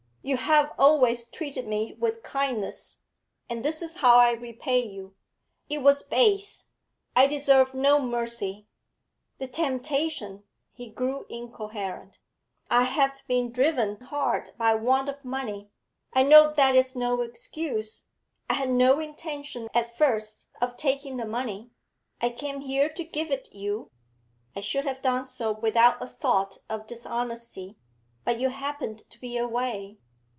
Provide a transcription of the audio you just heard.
You have always treated me with kindness; and this is how I repay you. It was base; I deserve no mercy. The temptation ' he grew incoherent; 'I have been driven hard by want of money. I know that is no excuse. I had no intention at first of taking the money; I came here to give it you; I should have done so without a thought of dishonesty, but you happened to be away.